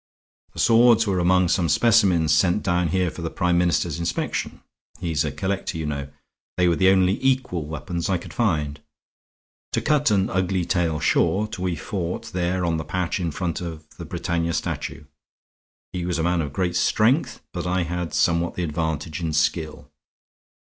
The swords were among some specimens sent down here for the Prime Minister's inspection; he is a collector, you know; they were the only equal weapons I could find. To cut an ugly tale short, we fought there on the path in front of the Britannia statue; he was a man of great strength, but I had somewhat the advantage in skill.